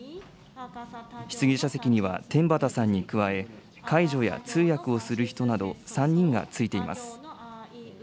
質疑者席には天畠さんに加え、介助や通訳をする人など、３人が着いています。